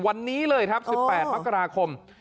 วันนี้เลยครับ๑๘มกราคม